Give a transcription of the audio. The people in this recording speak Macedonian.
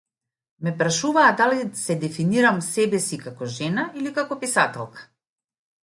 Ме прашуваа дали се дефинирам себе си како жена или како писателка.